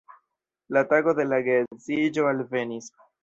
La tago de la geedziĝo alvenis.